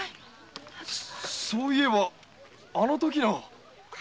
そういえばあのときの。